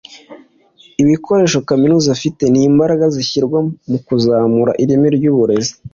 ibikoresho Kaminuza ifite n’imbaraga zishyirwa mu kuzamura ireme ry’uburezi